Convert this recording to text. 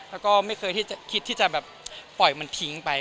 แล้วก็ไม่เคยที่คิดที่จะแบบปล่อยมันทิ้งไป